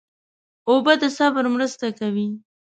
اوبه د صبر مرسته کوي.